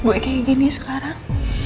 gue kayak gini sekarang